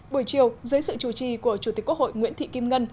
buổi chiều dưới sự chủ trì của chủ tịch quốc hội nguyễn thị kim ngân